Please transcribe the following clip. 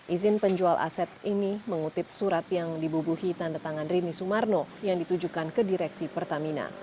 izin penjual aset ini mengutip surat yang dibubuhi tanda tangan rini sumarno yang ditujukan ke direksi pertamina